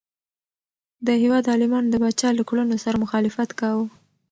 د هیواد عالمانو د پاچا له کړنو سره مخالفت کاوه.